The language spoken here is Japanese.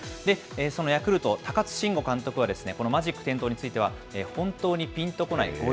そのヤクルト、高津臣吾監督は、このマジック点灯については、本当にぴんとこない。